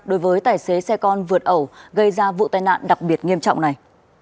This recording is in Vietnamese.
đối với tài xế xe con vượt ẩu gây ra vụ tai nạn đặc biệt nghiêm trọng này